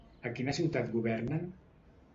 A quina ciutat governen?